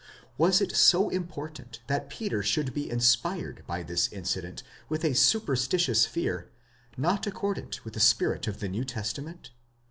Was it so important that Peter should be inspired by this incident with a super stitious fear, not accordant with the spirit of the New Testament?